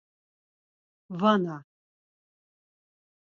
Va na...